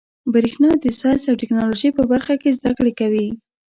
برېښنا د ساینس او ټيکنالوجۍ په برخه کي زده کړي کوي.